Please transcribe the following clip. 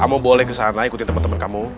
kamu boleh ke sana ikuti temen temen kamu